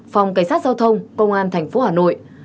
phòng cảnh sát giao thông công an thành phố hà nội